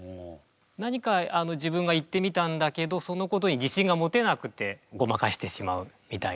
何か自分が言ってみたんだけどそのことに自信が持てなくてごまかしてしまうみたいな。